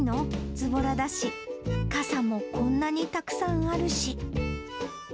ずぼらだし、傘もこんなにたくさんあるし。